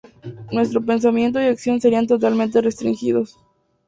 Nuestro pensamiento y acción serían totalmente restringidos.